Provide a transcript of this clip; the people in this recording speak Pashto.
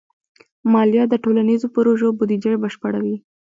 مالیه د ټولنیزو پروژو بودیجه بشپړوي.